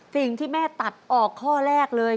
สิ่งที่แม่ตัดออกข้อแรกเลย